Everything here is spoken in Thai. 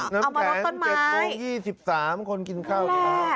น้ำแผน๗๒๓นคนกินข้าว